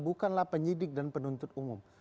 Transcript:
bukanlah penyidik dan penuntut umum